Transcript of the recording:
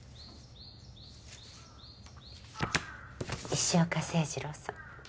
石岡清治郎さん